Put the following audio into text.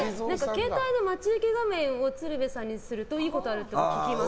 携帯で待ち受け画面を鶴瓶さんにするといいことあるって聞きました。